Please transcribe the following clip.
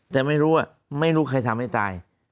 แต่ไม่รู้ไม่รู้ใครทำให้ตาย